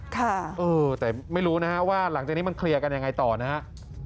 ค่ะเออแต่ไม่รู้นะฮะว่าหลังจากนี้มันเคลียร์กันยังไงต่อนะฮะ